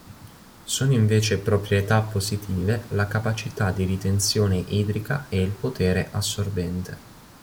Sono invece proprietà positive la capacità di ritenzione idrica e il potere assorbente.